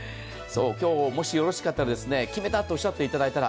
今日もしよろしかったら、決めたとおっしゃっていただけたら